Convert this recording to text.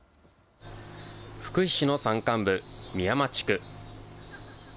福井市の山間部、美山地区。